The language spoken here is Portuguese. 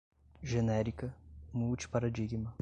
genérica, multiparadigma